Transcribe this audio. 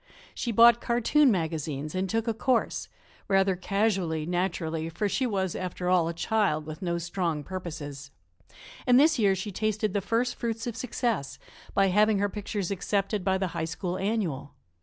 She bought cartoon magazines and took a course rather casually, naturally, for she was, after all, a child with no strong purposes and this year she tasted the first fruits of success by having her pictures accepted by the High School Annual.